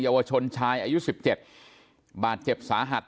เยาวชนชายอายุ๑๗บาดเจ็บสาหัส